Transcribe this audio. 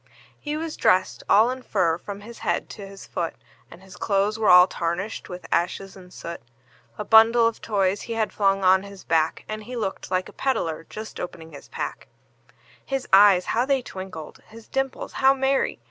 He was dressed all in fur from his head to his foot, And his clothes were all tarnished with ashes and soot; A bundle of toys he had flung on his back, And he looked like a peddler just opening his pack; His eyes how they twinkled! his dimples how merry!